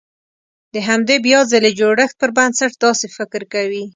د همدې بيا ځلې جوړښت پر بنسټ داسې فکر کوي.